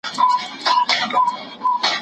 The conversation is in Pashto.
څېړونکي وویل چي زمانه په داستان کي اصل ده.